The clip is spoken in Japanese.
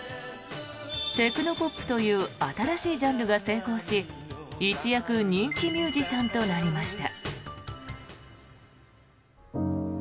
テクノポップという新しいジャンルが成功し一躍、人気ミュージシャンとなりました。